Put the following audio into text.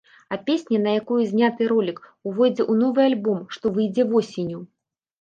А песня, на якую зняты ролік, увойдзе ў новы альбом, што выйдзе восенню.